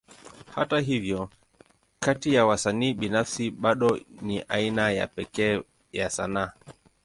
Hata hivyo, kati ya wasanii binafsi, bado ni aina ya pekee ya sanaa.